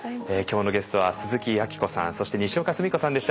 今日のゲストは鈴木明子さんそしてにしおかすみこさんでした。